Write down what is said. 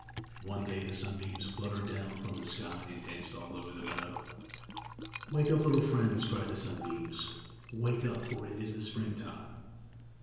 One day the sunbeams fluttered down from the sky and danced all over the meadow. "Wake up, little friends!" cried the sunbeams, "wake up, for it is the springtime!"